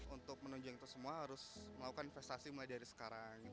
untuk menunjang itu semua harus melakukan investasi mulai dari sekarang